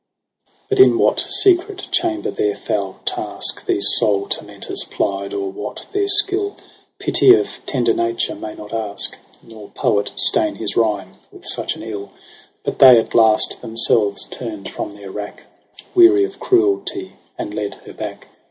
But in what secret chamber their foul task These soul tormentors plied, or what their skill. Pity of tender nature may not ask. Nor poet stain his rhyme with such an ill. But they at last themselves tum'd from their rack. Weary of cruelty, and led her back.